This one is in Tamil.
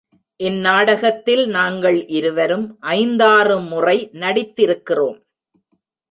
இந்நாடகத்தில் நாங்கள் இருவரும் ஐந்தாறு முறை நடித்திருக்கிறோம்.